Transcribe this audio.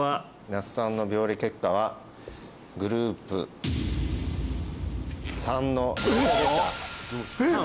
那須さんの病理結果はグループ３の良性でしたえっ！